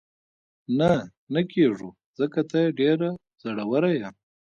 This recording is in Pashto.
نه، نه کېږو، ځکه ته ډېره زړوره یې.